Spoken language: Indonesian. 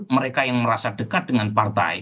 mereka yang merasa dekat dengan partai